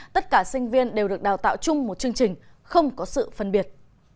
tất cả sinh viên đều được đào tạo chung một chương trình không có sự phân biệt